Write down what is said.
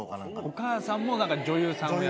お母さんも女優さんやってて。